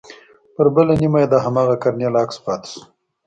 پر بله نيمه يې د هماغه کرنيل عکس پاته سو.